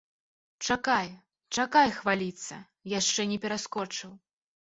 Чакай, чакай хваліцца, яшчэ не пераскочыў.